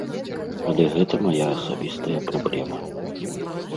Але гэта мая асабістая праблема.